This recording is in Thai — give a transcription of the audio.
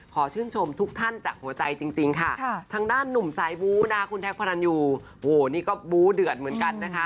ขอชื่นชมทุกท่านจากหัวใจจริงค่ะทางด้านหนุ่มสายบู้นะคุณแท็กพระรันยูโอ้โหนี่ก็บู้เดือดเหมือนกันนะคะ